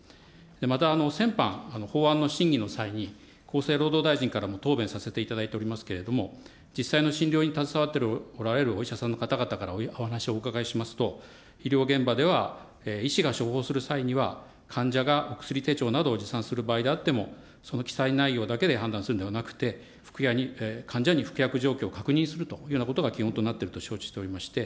また、先般、法案の審議の際に、厚生労働大臣からも答弁させていただいておりますけれども、実際の診療に携わっておられるお医者さんの方々からお話をおうかがいしますと、医療現場では、医師が処方する際には患者がお薬手帳などを持参する場合であっても、その記載内容だけで判断するのではなくて、患者に服薬情報を確認するということが基本となってると承知しておりまして、